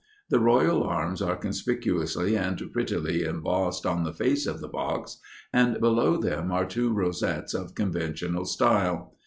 The royal arms are conspicuously and prettily embossed on the face of the box, and below them are two rosettes of conventional style.